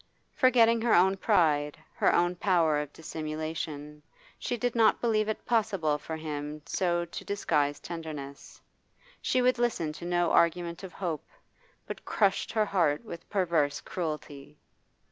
Forgetting her own pride, her own power of dissimulation, she did not believe it possible for him so to disguise tenderness. She would listen to no argument of hope, but crushed her heart with perverse cruelty.